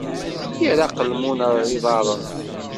Yerra aqelmun ar iḍaṛṛen!